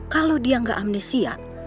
kalau dia nggak amnesia